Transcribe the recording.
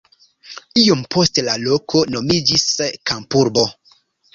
Iom poste la loko nomiĝis kampurbo.